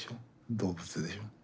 動物でしょ。